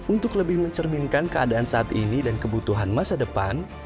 untuk lebih mencerminkan keadaan saat ini dan kebutuhan masa depan